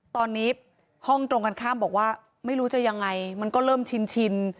ตอนนี้ห้องตรงกันข้ามบอกว่าไม่รู้จะยังไงมันก็เริ่มชิน